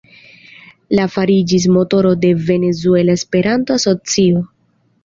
Li fariĝis motoro de Venezuela Esperanto-Asocio.